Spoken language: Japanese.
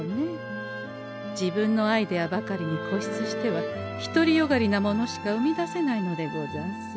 自分のアイデアばかりにこしつしては独りよがりなものしか生み出せないのでござんす。